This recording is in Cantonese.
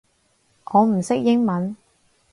我唔識英文